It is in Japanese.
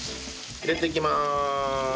入れていきます。